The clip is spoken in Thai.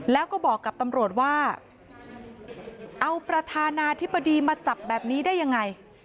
แล้วก็บอกกับตำรวจว่าเอาประธานาธิบดีมาจับแบบนี้ได้ยังไง